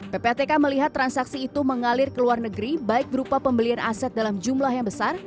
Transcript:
ppatk melihat transaksi itu mengalir ke luar negeri baik berupa pembelian aset dalam jumlah yang besar